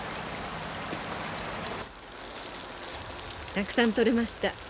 たくさん取れました。